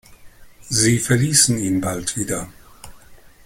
Sie verließen ihn bald wieder.